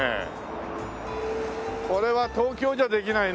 これは東京じゃできないね